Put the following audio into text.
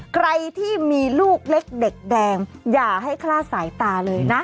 ใครที่มีลูกเล็กเด็กแดงอย่าให้คลาดสายตาเลยนะ